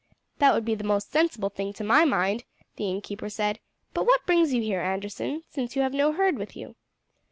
"That would be the most sensible thing to my mind," the innkeeper said; "but what brings you here, Anderson, since you have no herd with you?"